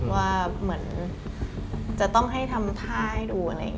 ว่าเหมือนจะต้องให้ทำท่าให้ดู